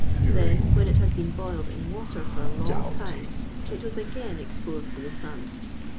Then, when it had been boiled in water for a long time, it was again exposed to the sun.